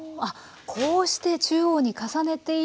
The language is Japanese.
こうして中央に重ねていって。